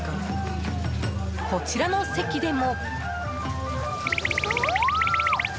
こちらの席でも。